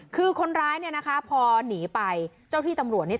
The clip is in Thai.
คือคนร้ายเนี่ยนะคะพอหนีไปเจ้าที่ตำรวจเนี่ย